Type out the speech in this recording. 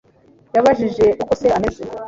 Yabajije uko se ameze